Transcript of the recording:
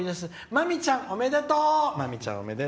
まみちゃん、おめでとう。